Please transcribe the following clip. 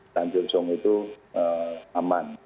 tanjung lesung itu aman